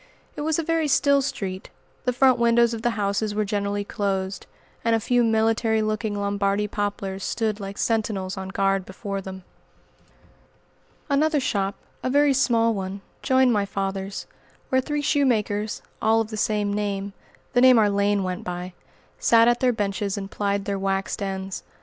It was a very still street; the front windows of the houses were generally closed, and a few military looking Lombardy poplars stood like sentinels on guard before them. Another shop a very small one joined my father's, where three shoemakers, all of the same name the name our lane went by sat at their benches and plied their "waxed ends."